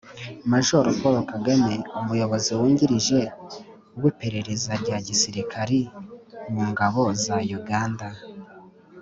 majoro paul kagame: umuyobozi wungirije w'iperereza rya gisisirikari mu ngabo za uganda